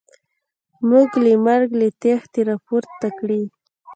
موږ له مرګ له تختې را پورته کړي.